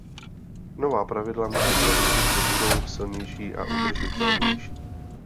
Nová pravidla musí zaručit, že budou silnější a udržitelnější.